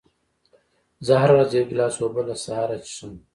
زه هره ورځ یو ګیلاس اوبه له سهاره څښم.